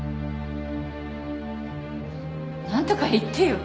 なんとか言ってよ。